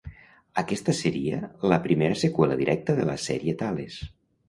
Aquesta seria la primera seqüela directa de la sèrie Tales.